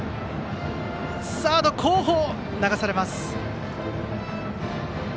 サード後方、流されました。